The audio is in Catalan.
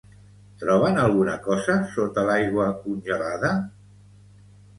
Troben alguna cosa sota l'aigua congelada?